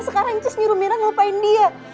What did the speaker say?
sekarang jess nyuruh mirah ngelupain dia